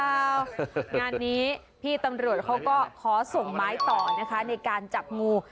งานนี้พี่ตำรวจเขาก็ขอส่งไม้ต่อนะคะในการจับงู